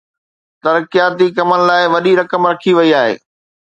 ترقياتي ڪمن لاءِ وڏي رقم رکي وئي آهي